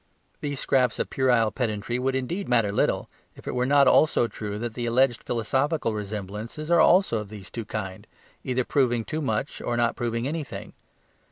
These scraps of puerile pedantry would indeed matter little if it were not also true that the alleged philosophical resemblances are also of these two kinds, either proving too much or not proving anything.